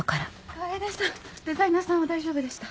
楓さんデザイナーさんは大丈夫でした。